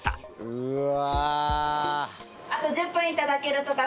うわ。